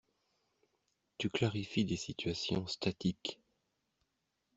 Tu clarifies des situations statiques.